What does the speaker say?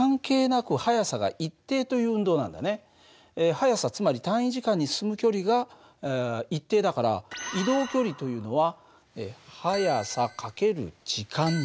速さつまり単位時間に進む距離が一定だから移動距離というのは速さ×時間になる。